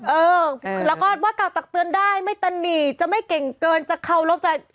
เออแล้วก็ว่ากล่าวตักเตือนได้ไม่ตะหนีจะไม่เก่งเกินจะเคารพจะ